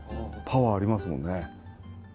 パワーありますもんね。